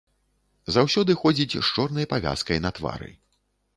Заўсёды ходзіць з чорнай павязкай на твары.